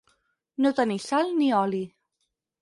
No tenir sal ni oli.